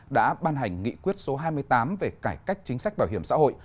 đã ban hành nghị quyết số hai mươi tám về cải cách chính sách bảo hiểm xã hội